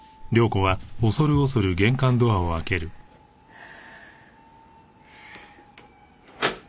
はあ。